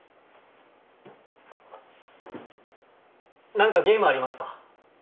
何かゲームありますか？